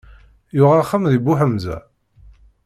Yuɣ axxam deg Buḥemza?